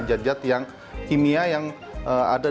jad jad kimia yang ada dalam tubuh